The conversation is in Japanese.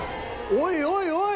おいおいおい！